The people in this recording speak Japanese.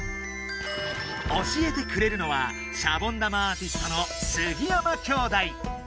教えてくれるのはシャボン玉アーティストの杉山兄弟。